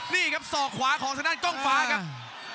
นี่ครับศอกขวาของทางด้านกล้องฟ้าครับ